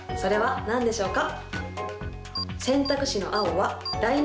それは何でしょうか？